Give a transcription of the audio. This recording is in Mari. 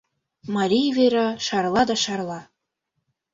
Марий вера шарла да шарла.